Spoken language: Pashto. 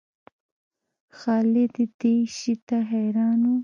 خالد یې دې شي ته حیران و.